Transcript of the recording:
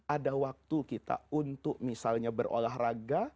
ada waktu kita untuk misalnya berolahraga